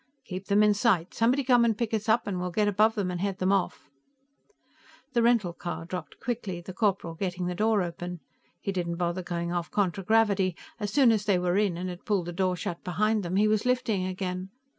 "Keep them in sight; somebody come and pick us up, and we'll get above them and head them off." The rental car dropped quickly, the corporal getting the door open. He didn't bother going off contragravity; as soon as they were in and had pulled the door shut behind them, he was lifting again.